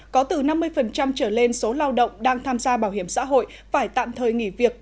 có từ năm mươi trở lên số lao động đang tham gia bảo hiểm xã hội phải tạm thời nghỉ việc